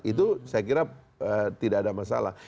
itu saya kira tidak ada masalah